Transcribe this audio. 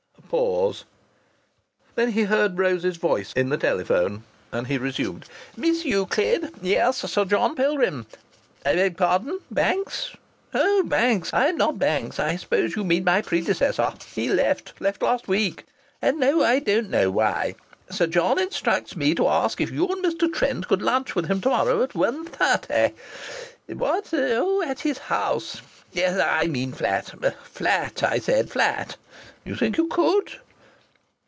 A pause. Then he heard Rose's voice in the telephone, and he resumed: "Miss Euclid? Yes. Sir John Pilgrim. I beg pardon! Banks? Oh, Banks! No, I'm not Banks. I suppose you mean my predecessor. He's left. Left last week. No, I don't know why. Sir John instructs me to ask if you and Mr. Trent could lunch with him to morrow at wun thirty? What? Oh! at his house. Yes. I mean flat. Flat! I said flat. You think you could?"